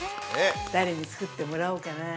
誰に作ってもらおうかなー。